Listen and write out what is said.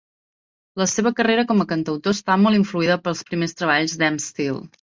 La seva carrera com a cantautor està molt influïda pels primers treballs d'M-Steel.